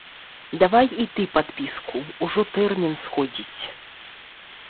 Давай і ты падпіску, ужо тэрмін сходзіць.